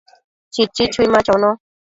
Chichi chui ma chono